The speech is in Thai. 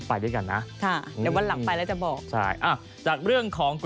อ้าวเดี๋ยวไปด้วยกันนะ